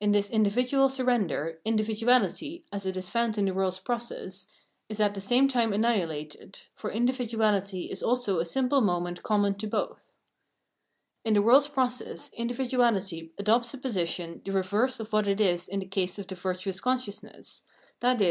In this in dividual surrender, individuahty, as it is found in the world's process, is at the same time annihilated ; for individuahty is also a simple moment couamon to both. In the world's process individuality adopts a position VOL. I, — 2 B 369 370 Plienmnenology of Mind the reverse of what it is in the case of the virtuous consciousness, viz.